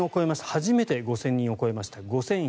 初めて５０００人を超えました。